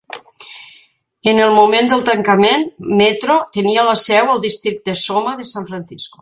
En el moment del tancament, Meetro tenia la seu al districte SoMa de San Francisco.